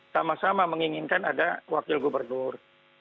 sama sama menginginkan ada wakil gubernur